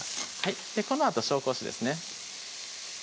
このあと紹興酒ですね